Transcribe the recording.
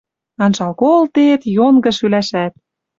Анжал колтет — йонгы шӱлӓшӓт...